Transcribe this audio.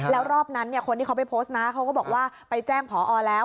แล้วรอบนั้นคนที่เขาไปโพสต์นะเขาก็บอกว่าไปแจ้งผอแล้ว